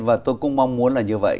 và tôi cũng mong muốn là như vậy